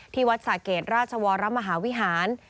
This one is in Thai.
ที่วัดสาเกตราชวรรมมหาวิหาร